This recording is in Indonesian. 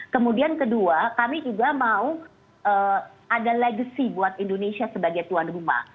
kemudian kedua kami juga mau ada legacy buat indonesia sebagai tuan rumah